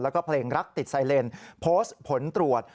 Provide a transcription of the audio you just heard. แล้วก็เพลงรักติดไซเลนโพสต์ผลตรวจ